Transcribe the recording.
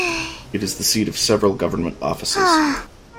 It is the seat of several government offices.